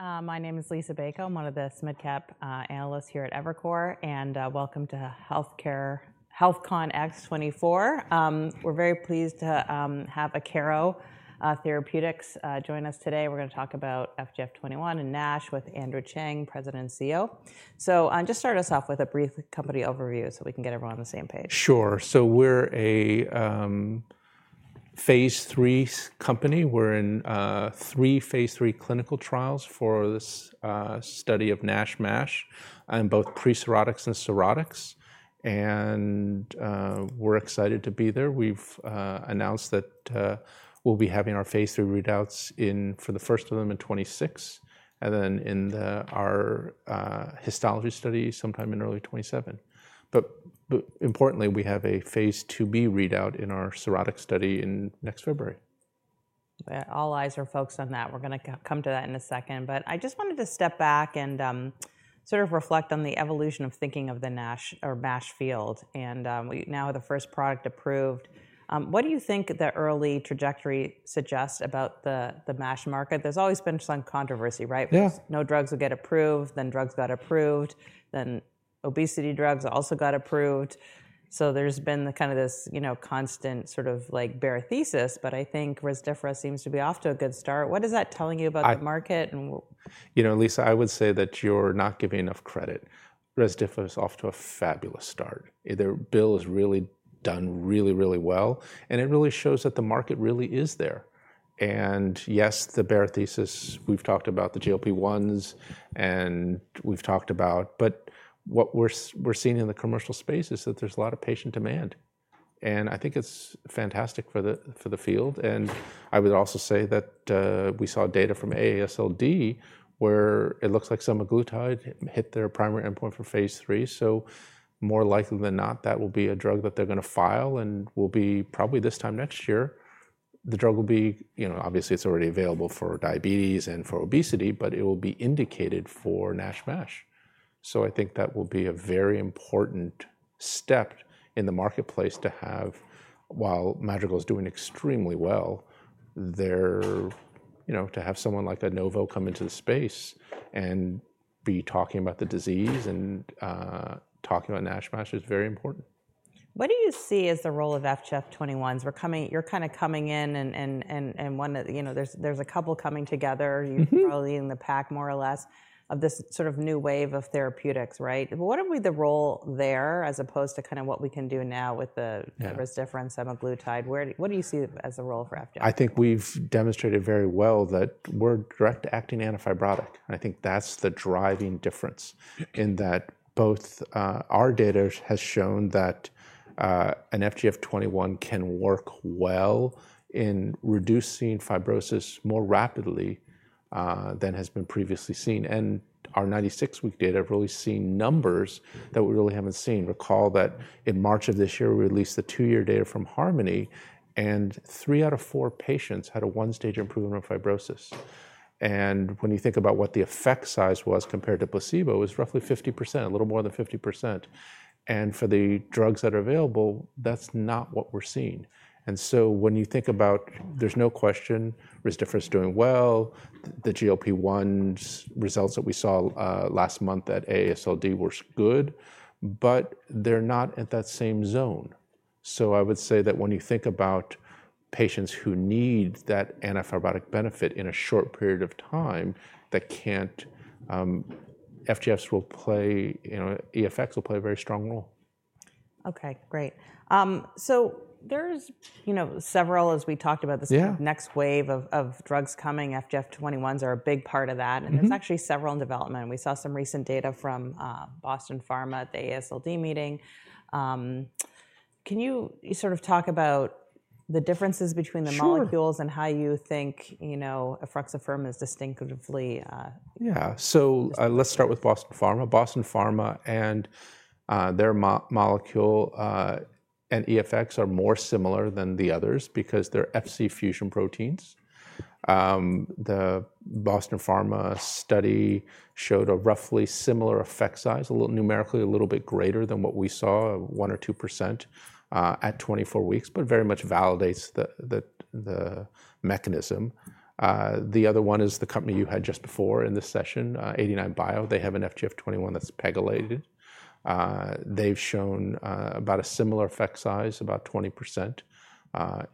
Everyone, my name is Lisa Baker. I'm one of the SMID cap analysts here at Evercore, and welcome to HealthCONx24. We're very pleased to have Akero Therapeutics join us today. We're going to talk about FGF21 and NASH with Andrew Cheng, President and CEO. Just start us off with a brief company overview so we can get everyone on the same page. Sure. So we're a phase III company. We're in three phase III clinical trials for this study of NASH, MASH, in both pre-cirrhotics and cirrhotics. And we're excited to be there. We've announced that we'll be having our phase III readouts for the first of them in 2026, and then in our histology study sometime in early 2027. But importantly, we have a phase IIb readout in our cirrhotic study in next February. All eyes are focused on that. We're going to come to that in a second, but I just wanted to step back and sort of reflect on the evolution of thinking of the NASH or MASH field, and we now have the first product approved. What do you think the early trajectory suggests about the MASH market? There's always been some controversy, right? Yeah. No drugs would get approved, then drugs got approved, then obesity drugs also got approved. So there's been kind of this constant sort of like bear thesis. But I think Rezdiffra seems to be off to a good start. What is that telling you about the market? You know, Lisa, I would say that you're not giving enough credit. Rezdiffra is off to a fabulous start. Their pill is really doing really, really well. And it really shows that the market really is there. And yes, the bear thesis, we've talked about the GLP-1s and we've talked about, but what we're seeing in the commercial space is that there's a lot of patient demand. And I think it's fantastic for the field. And I would also say that we saw data from AASLD where it looks like semaglutide hit their primary endpoint for phase III. So more likely than not, that will be a drug that they're going to file and will be probably this time next year. The drug will be, you know, obviously it's already available for diabetes and for obesity, but it will be indicated for NASH, MASH. So, I think that will be a very important step in the marketplace to have, while Madrigal is doing extremely well, to have someone like a Novo come into the space and be talking about the disease and talking about NASH, MASH is very important. What do you see as the role of FGF21s? You're kind of coming in and one of, you know, there's a couple coming together, you're probably in the pack more or less of this sort of new wave of therapeutics, right? What would be the role there as opposed to kind of what we can do now with the Rezdiffra and semaglutide? What do you see as the role for FGF21? I think we've demonstrated very well that we're direct-acting anti-fibrotic. And I think that's the driving difference in that both our data has shown that an FGF21 can work well in reducing fibrosis more rapidly than has been previously seen. And our 96-week data have really seen numbers that we really haven't seen. Recall that in March of this year, we released the two-year data from Harmony, and three out of four patients had a one-stage improvement of fibrosis. And when you think about what the effect size was compared to placebo, it was roughly 50%, a little more than 50%. And for the drugs that are available, that's not what we're seeing. And so when you think about, there's no question Rezdiffra is doing well. The GLP-1 results that we saw last month at AASLD were good, but they're not at that same zone. So I would say that when you think about patients who need that anti-fibrotic benefit in a short period of time, FGFs will play, you know, EFX will play a very strong role. Okay, great. So there's, you know, several, as we talked about this next wave of drugs coming, FGF21s are a big part of that. And there's actually several in development. We saw some recent data from Boston Pharma at the AASLD meeting. Can you sort of talk about the differences between the molecules and how you think, you know, efruxifermin is distinctive? Yeah, so let's start with Boston Pharmaceuticals. Boston Pharmaceuticals and their molecule and EFX are more similar than the others because they're Fc fusion proteins. The Boston Pharmaceuticals study showed a roughly similar effect size, numerically a little bit greater than what we saw, one or two% at 24 weeks, but very much validates the mechanism. The other one is the company you had just before in this session, 89bio. They have an FGF21 that's pegylated. They've shown about a similar effect size, about 20%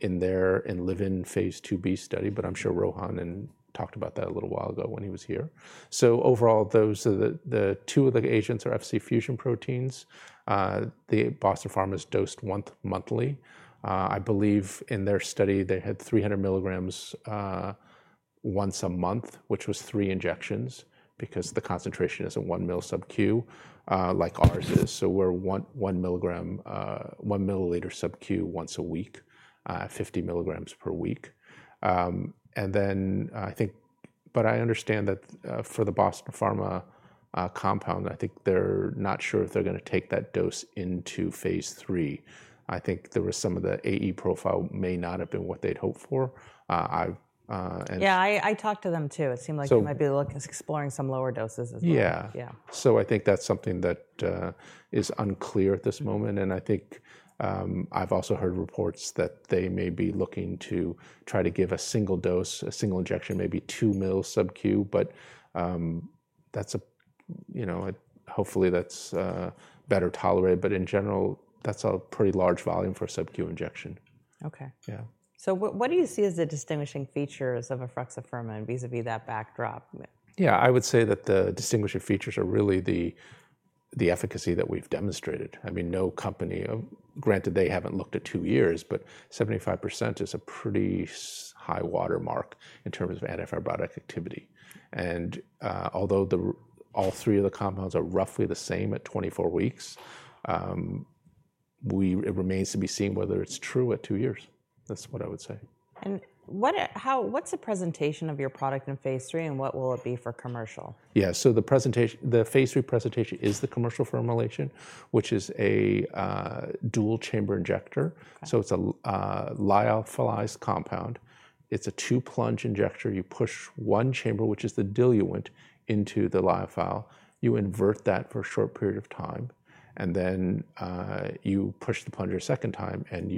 in their ENLIVEN phase IIb study, but I'm sure Rohan talked about that a little while ago when he was here. So overall, those are the two of the agents are Fc fusion proteins. The Boston Pharmaceuticals is dosed monthly. I believe in their study, they had 300 milligrams once a month, which was three injections because the concentration is a one mL sub-Q like ours is. So we're one milligram, one milliliter sub-Q once a week, 50 milligrams per week. And then I think, but I understand that for the Boston Pharmaceuticals compound, I think they're not sure if they're going to take that dose into phase III. I think there were some of the AE profile may not have been what they'd hoped for. Yeah, I talked to them too. It seemed like they might be exploring some lower doses as well. Yeah. So I think that's something that is unclear at this moment. And I think I've also heard reports that they may be looking to try to give a single dose, a single injection, maybe 2 ml sub-Q, but that's a, you know, hopefully that's better tolerated. But in general, that's a pretty large volume for sub-Q injection. Okay. Yeah. So what do you see as the distinguishing features of efruxifermin vis-à-vis that backdrop? Yeah, I would say that the distinguishing features are really the efficacy that we've demonstrated. I mean, no company, granted they haven't looked at two years, but 75% is a pretty high watermark in terms of antifibrotic activity. And although all three of the compounds are roughly the same at 24 weeks, it remains to be seen whether it's true at two years. That's what I would say. What's the presentation of your product in phase III and what will it be for commercial? Yeah, so the phase III presentation is the commercial formulation, which is a dual chamber injector. So it's a lyophilized compound. It's a two-plunge injector. You push one chamber, which is the diluent, into the lyophilized. You invert that for a short period of time, and then you push the plunger a second time, and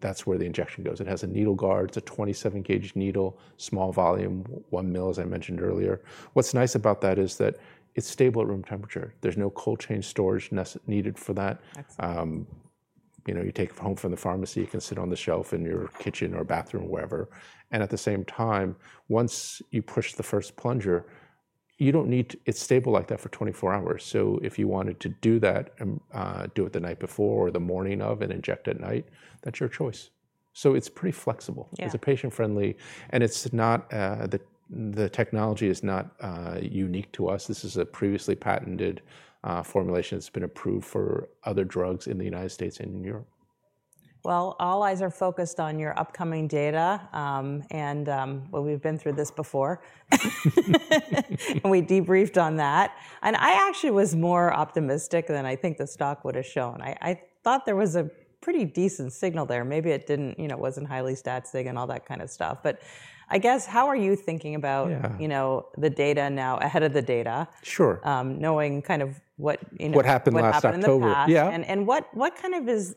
that's where the injection goes. It has a needle guard. It's a 27-gauge needle, small volume, one mil, as I mentioned earlier. What's nice about that is that it's stable at room temperature. There's no cold chain storage needed for that. You know, you take it home from the pharmacy, you can sit on the shelf in your kitchen or bathroom, wherever. And at the same time, once you push the first plunger, you don't need to, it's stable like that for 24 hours. So if you wanted to do that, do it the night before or the morning of and inject at night, that's your choice. So it's pretty flexible. It's patient-friendly, and it's not, the technology is not unique to us. This is a previously patented formulation that's been approved for other drugs in the United States and in Europe. All eyes are focused on your upcoming data. We've been through this before. We debriefed on that. I actually was more optimistic than I think the stock would have shown. I thought there was a pretty decent signal there. Maybe it didn't, you know, wasn't highly stat-sig and all that kind of stuff. But I guess, how are you thinking about, you know, the data now ahead of the data? Sure. Knowing kind of what happened last October. What happened last October, yeah. And what kind of is?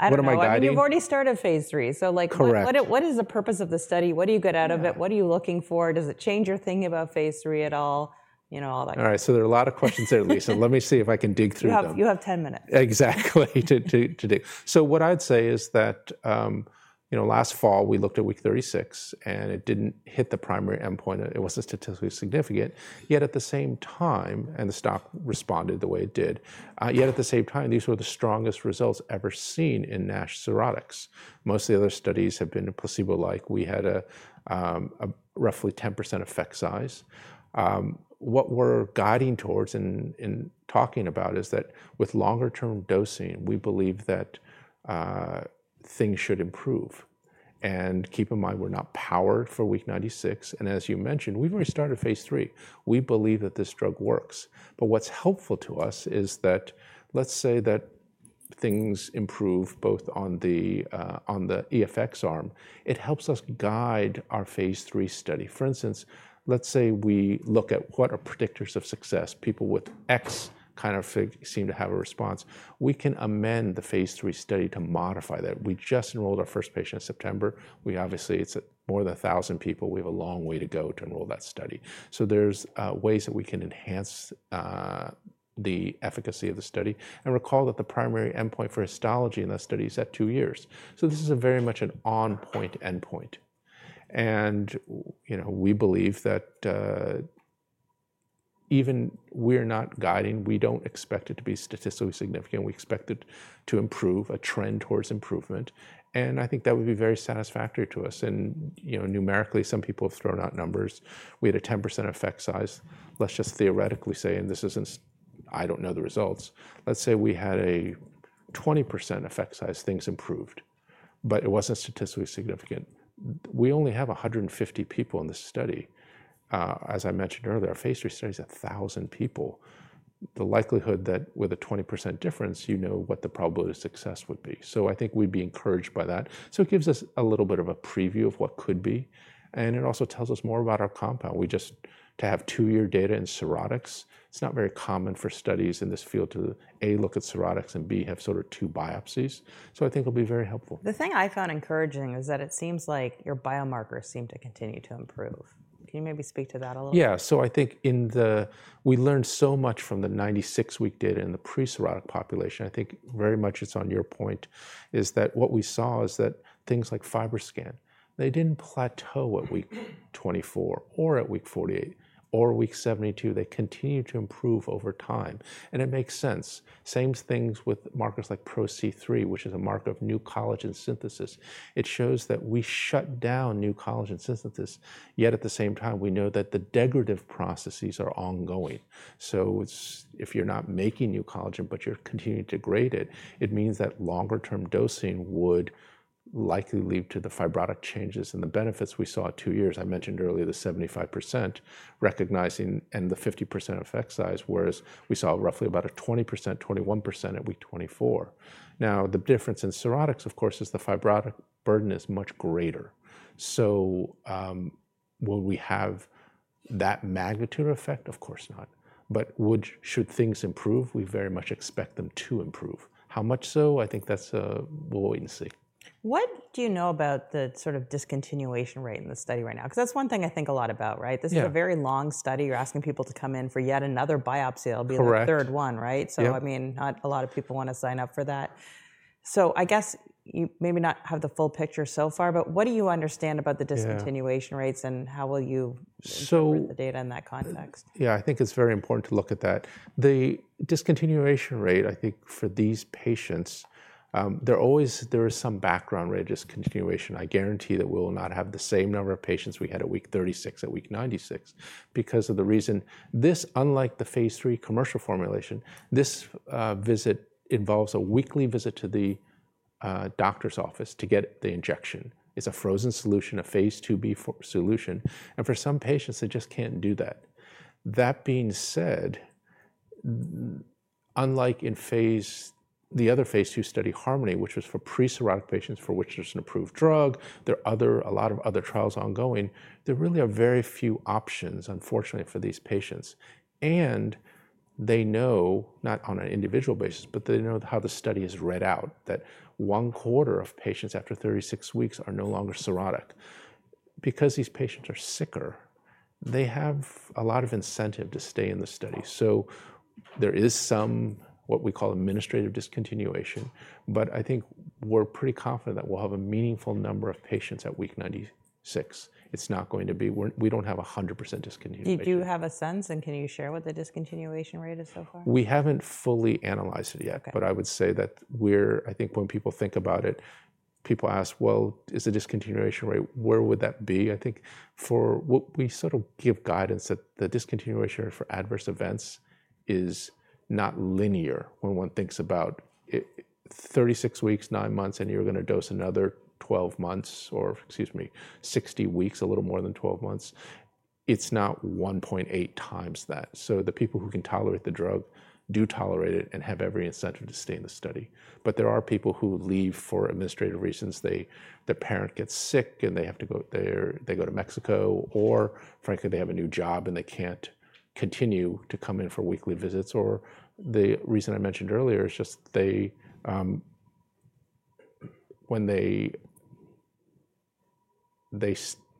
What am I guiding? You've already started phase III. So like what is the purpose of the study? What do you get out of it? What are you looking for? Does it change your thinking about phase III at all? You know, all that. All right. So there are a lot of questions there, Lisa. Let me see if I can dig through them. You have 10 minutes. Exactly. So what I'd say is that, you know, last fall, we looked at week 36, and it didn't hit the primary endpoint. It wasn't statistically significant. Yet at the same time, and the stock responded the way it did, yet at the same time, these were the strongest results ever seen in NASH cirrhotics. Most of the other studies have been placebo-like. We had a roughly 10% effect size. What we're guiding towards and talking about is that with longer-term dosing, we believe that things should improve. And keep in mind, we're not powered for week 96. And as you mentioned, we've already started phase three. We believe that this drug works. But what's helpful to us is that let's say that things improve both on the EFX arm, it helps us guide our phase three study. For instance, let's say we look at what are predictors of success. People with X kind of seem to have a response. We can amend the phase III study to modify that. We just enrolled our first patient in September. We obviously, it's more than 1,000 people. We have a long way to go to enroll that study. So there's ways that we can enhance the efficacy of the study. And recall that the primary endpoint for histology in that study is at two years. So this is very much an on-point endpoint. And, you know, we believe that even we are not guiding. We don't expect it to be statistically significant. We expect it to improve, a trend towards improvement. And I think that would be very satisfactory to us. And, you know, numerically, some people have thrown out numbers. We had a 10% effect size. Let's just theoretically say, and this isn't, I don't know the results. Let's say we had a 20% effect size, things improved, but it wasn't statistically significant. We only have 150 people in this study. As I mentioned earlier, our phase III study is 1,000 people. The likelihood that with a 20% difference, you know what the probability of success would be. So I think we'd be encouraged by that. So it gives us a little bit of a preview of what could be. And it also tells us more about our compound. We just, to have two-year data in cirrhotics, it's not very common for studies in this field to, A, look at cirrhotics and B, have sort of two biopsies. So I think it'll be very helpful. The thing I found encouraging is that it seems like your biomarkers seem to continue to improve. Can you maybe speak to that a little bit? Yeah. So I think in the, we learned so much from the 96-week data in the pre-cirrhotic population. I think very much it's on your point is that what we saw is that things like FibroScan, they didn't plateau at week 24 or at week 48 or week 72. They continue to improve over time. And it makes sense. Same things with markers like PRO-C3, which is a marker of new collagen synthesis. It shows that we shut down new collagen synthesis, yet at the same time, we know that the degradative processes are ongoing. So it's, if you're not making new collagen, but you're continuing to degrade it, it means that longer-term dosing would likely lead to the fibrotic changes and the benefits we saw at two years. I mentioned earlier the 75% regression and the 50% effect size, whereas we saw roughly about a 20%, 21% at week 24. Now, the difference in cirrhotics, of course, is the fibrotic burden is much greater, so will we have that magnitude of effect? Of course not, but should things improve, we very much expect them to improve. How much so? I think that's, we'll wait and see. What do you know about the sort of discontinuation rate in the study right now? Because that's one thing I think a lot about, right? This is a very long study. You're asking people to come in for yet another biopsy. It'll be the third one, right? So I mean, not a lot of people want to sign up for that. So I guess you maybe not have the full picture so far, but what do you understand about the discontinuation rates and how will you look at the data in that context? Yeah, I think it's very important to look at that. The discontinuation rate, I think for these patients, there always is some background rate of discontinuation. I guarantee that we will not have the same number of patients we had at week 36 at week 96, because of this reason, unlike the phase III commercial formulation. This visit involves a weekly visit to the doctor's office to get the injection. It's a frozen solution, a phase IIb solution. And for some patients, they just can't do that. That being said, unlike in the other phase II study, Harmony, which was for pre-cirrhotic patients for which there's an approved drug, there are a lot of other trials ongoing. There really are very few options, unfortunately, for these patients. They know, not on an individual basis, but they know how the study is read out, that one quarter of patients after 36 weeks are no longer cirrhotic. Because these patients are sicker, they have a lot of incentive to stay in the study. There is some, what we call administrative discontinuation, but I think we're pretty confident that we'll have a meaningful number of patients at week 96. It's not going to be. We don't have 100% discontinuation. Do you have a sense and can you share what the discontinuation rate is so far? We haven't fully analyzed it yet, but I would say that we're, I think when people think about it, people ask, well, is the discontinuation rate, where would that be? I think for what we sort of give guidance that the discontinuation rate for adverse events is not linear. When one thinks about 36 weeks, nine months, and you're going to dose another 12 months or, excuse me, 60 weeks, a little more than 12 months, it's not 1.8 times that. So the people who can tolerate the drug do tolerate it and have every incentive to stay in the study. But there are people who leave for administrative reasons. Their parent gets sick and they have to go, they go to Mexico or frankly, they have a new job and they can't continue to come in for weekly visits. Or the reason I mentioned earlier is just they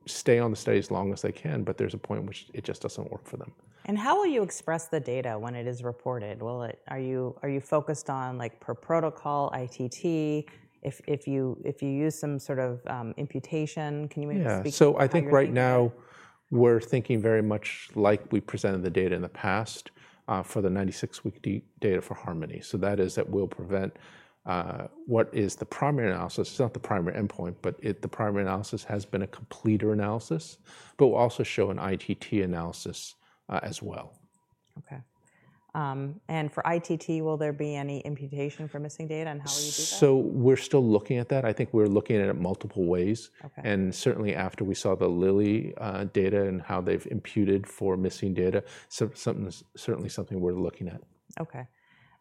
stay on the study as long as they can, but there's a point in which it just doesn't work for them. How will you express the data when it is reported? Are you focused on like per protocol, ITT? If you use some sort of imputation, can you maybe speak to that? Yeah. So I think right now we're thinking very much like we presented the data in the past for the 96-week data for Harmony. So that is, we'll present what is the primary analysis. It's not the primary endpoint, but the primary analysis has been a completer analysis, but we'll also show an ITT analysis as well. Okay. And for ITT, will there be any imputation for missing data and how will you do that? So we're still looking at that. I think we're looking at it multiple ways. And certainly after we saw the Lilly data and how they've imputed for missing data, certainly something we're looking at. Okay.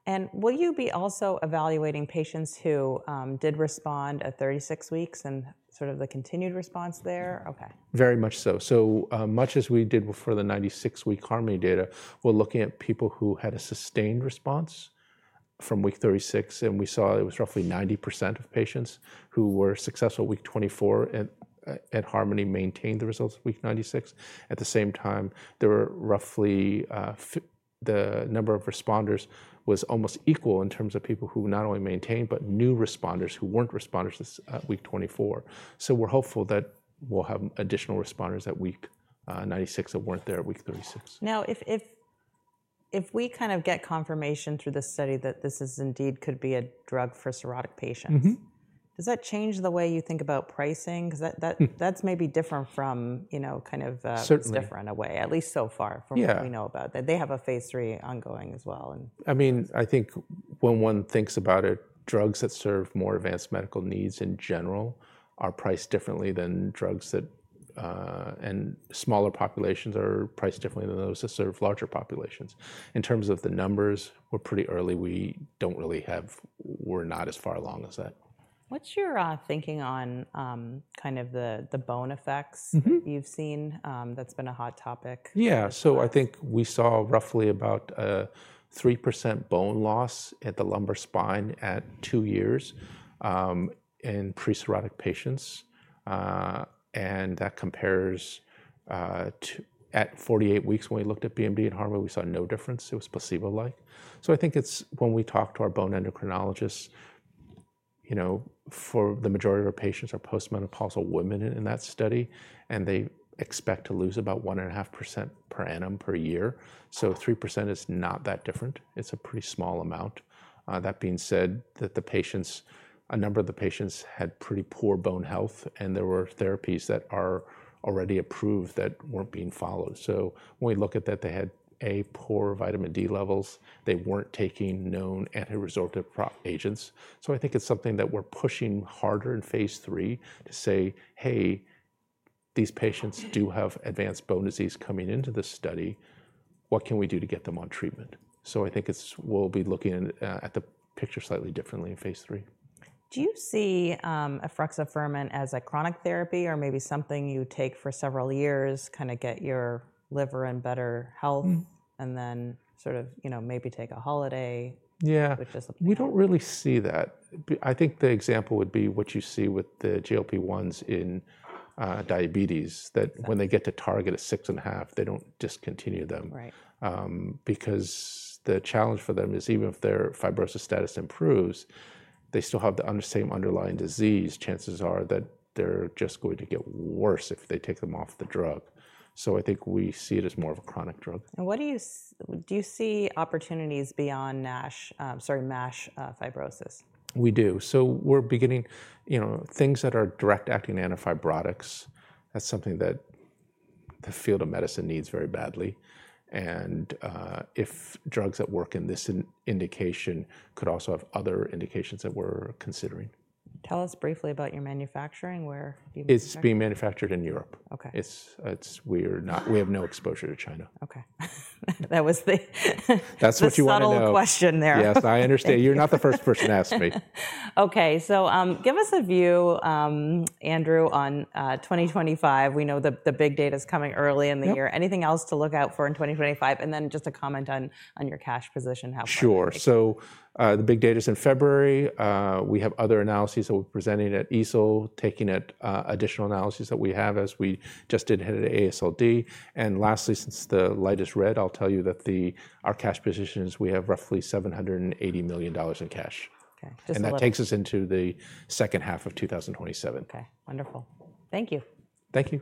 And will you be also evaluating patients who did respond at 36 weeks and sort of the continued response there? Okay. Very much so, so much as we did before the 96-week Harmony data, we're looking at people who had a sustained response from week 36, and we saw it was roughly 90% of patients who were successful at week 24 and Harmony maintained the results of week 96. At the same time, there were roughly the number of responders was almost equal in terms of people who not only maintained, but new responders who weren't responders at week 24, so we're hopeful that we'll have additional responders at week 96 that weren't there at week 36. Now, if we kind of get confirmation through the study that this is indeed could be a drug for cirrhotic patients, does that change the way you think about pricing? Because that's maybe different from, you know, kind of a different way, at least so far from what we know about. They have a phase III ongoing as well. I mean, I think when one thinks about it, drugs that serve more advanced medical needs in general are priced differently than drugs that, and smaller populations are priced differently than those that serve larger populations. In terms of the numbers, we're pretty early. We don't really have, we're not as far along as that. What's your thinking on kind of the bone effects you've seen? That's been a hot topic. Yeah. So I think we saw roughly about a 3% bone loss at the lumbar spine at two years in pre-cirrhotic patients. And that compares to at 48 weeks when we looked at BMD and Harmony, we saw no difference. It was placebo-like. So I think it's when we talk to our bone endocrinologists, you know, for the majority of our patients are post-menopausal women in that study, and they expect to lose about 1.5% per annum per year. So 3% is not that different. It's a pretty small amount. That being said, that the patients, a number of the patients had pretty poor bone health, and there were therapies that are already approved that weren't being followed. So when we look at that, they had a poor vitamin D levels. They weren't taking known anti-resorptive agents. I think it's something that we're pushing harder in phase three to say, hey, these patients do have advanced bone disease coming into the study. What can we do to get them on treatment? I think we'll be looking at the picture slightly differently in phase three. Do you see efruxifermin as a chronic therapy or maybe something you take for several years, kind of get your liver in better health and then sort of, you know, maybe take a holiday? Yeah. We don't really see that. I think the example would be what you see with the GLP-1s in diabetes, that when they get to target at six and a half, they don't discontinue them. Because the challenge for them is even if their fibrosis status improves, they still have the same underlying disease. Chances are that they're just going to get worse if they take them off the drug. So I think we see it as more of a chronic drug. What do you see opportunities beyond NASH, sorry, MASH fibrosis? We do. So we're beginning, you know, things that are direct-acting anti-fibrotics. That's something that the field of medicine needs very badly. And if drugs that work in this indication could also have other indications that we're considering. Tell us briefly about your manufacturing. Where do you manufacture? It's being manufactured in Europe. We're not. We have no exposure to China. Okay. That was the subtle question there. Yes, I understand. You're not the first person to ask me. Okay. So give us a view, Andrew, on 2025. We know the big data is coming early in the year. Anything else to look out for in 2025? And then just a comment on your cash position, how far? Sure. So the big data is in February. We have other analyses that we're presenting at EASL, taking additional analyses that we have as we just did ahead of AASLD. And lastly, since the light is red, I'll tell you that our cash position, we have roughly $780 million in cash. And that takes us into the H2 of 2027. Okay. Wonderful. Thank you. Thank you.